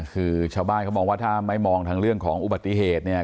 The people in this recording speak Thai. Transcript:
คือชาวบ้านเขามองว่าถ้าไม่มองทางเรื่องของอุบัติเหตุเนี่ย